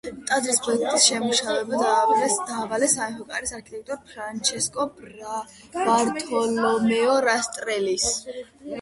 ტაძრის პროექტის შემუშავება დაავალეს სამეფო კარის არქიტექტორს ფრანჩესკო ბართოლომეო რასტრელის.